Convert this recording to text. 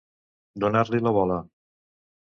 Donar-li la bola.